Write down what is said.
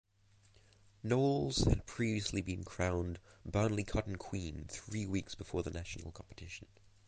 Knowles had previously been crowned Burnley Cotton Queen three weeks before the national competition.